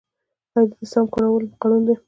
قاعده د سمو کارولو قانون دئ.